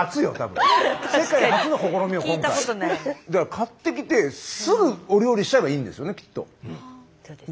買ってきてすぐお料理しちゃえばいいんですよねきっと。